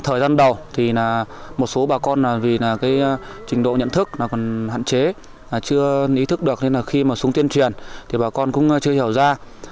trình độ nhận thức còn hạn chế chưa ý thức được nên khi xuống tiên truyền thì bà con cũng chưa hiểu ra